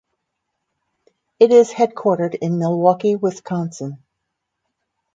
It is headquartered in Milwaukee, Wisconsin.